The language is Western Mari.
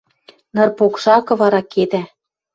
Ныр покшакы вара кедӓ —